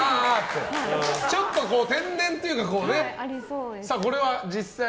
ちょっと天然というか。